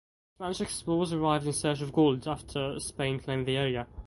Spanish explores arrived in search of gold after Spain claimed the area.